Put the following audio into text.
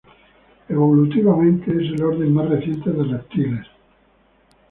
Evolutivamente, es el orden más reciente de reptiles.